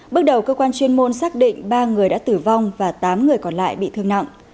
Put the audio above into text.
bước đầu cơ quan chuyên môn xác định ba người đã tử vong và tám người còn lại bị thương nặng